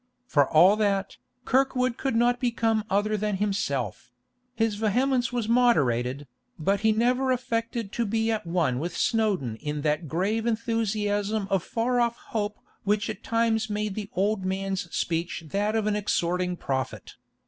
For all that, Kirkwood could not become other than himself; his vehemence was moderated, but he never affected to be at one with Snowdon in that grave enthusiasm of far off hope which at times made the old man's speech that of an exhorting prophet.